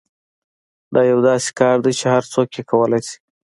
دا یو داسې کار دی چې هر څوک یې کولای شي